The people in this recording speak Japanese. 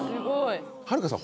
はるかさん